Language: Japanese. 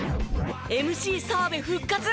ＭＣ澤部復活！